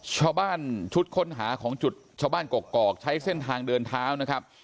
ชาวบ้านชุดค้นหาของจุดชาวบ้านกกอกใช้เส้นทางเดินเท้านะครับ